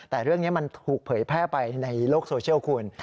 แต่เรื่องนี้มันถูกเผยแพร่ไปในโลกโซเชียลคุณ